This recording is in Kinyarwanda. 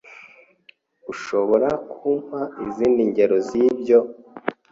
Ushobora kumpa izindi ngero zibyo?